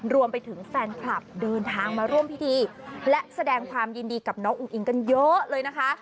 รวมไปถึงแฟนคลับเดินทางมาร่วมพิธีและแสดงความยินดีกับน้องอุ้งอิงกันเยอะเลยนะคะ